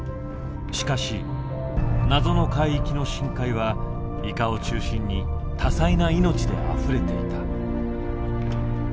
しかし謎の海域の深海はイカを中心に多彩な命であふれていた。